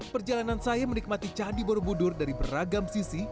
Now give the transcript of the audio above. perjalanan saya menikmati candi borobudur dari beragam sisi